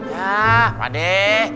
ya pak deh